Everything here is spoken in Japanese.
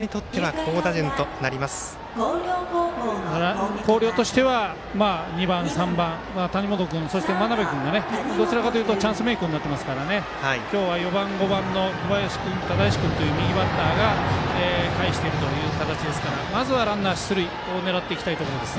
２番から始まるという広陵にとっては広陵としては２番、３番、谷本君とそして、真鍋君がチャンスメイクになってますから今日は４番、５番の小林君、只石君という右バッターが対しているという形ですからまずはランナー出塁を狙っていきたいところです。